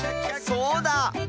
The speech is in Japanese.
そうだ！